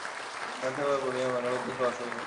সেখান থেকে তারা সপরিবারে বেঙ্গালুরুতে এসে বসবাস করছিলেন।